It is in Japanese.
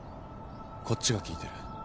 こっちが聞いてる。